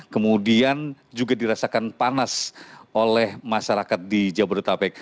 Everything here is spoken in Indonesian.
kemudian juga dirasakan panas oleh masyarakat di jabodetabek